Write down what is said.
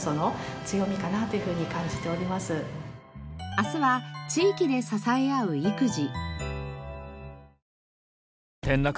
明日は地域で支え合う育児。